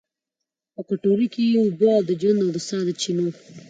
په کټورې کې یې اوبه، د ژوند او سا د چېنو